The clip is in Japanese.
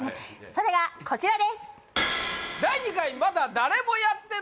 それがこちらです！